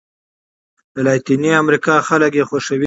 د لاتیني امریکا خلک یې خوښوي.